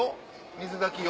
水炊き用？